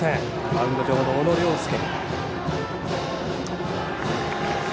マウンド上の小野涼介。